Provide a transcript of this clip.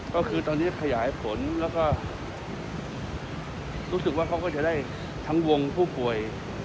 ก็คือตอนนี้ขยายผลแล้วก็รู้สึกว่าเขาก็จะได้ทั้งวงผู้ป่วย